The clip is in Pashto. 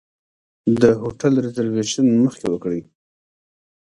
د هوټل ریزرویشن مخکې وکړئ.